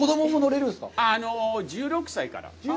１６歳から。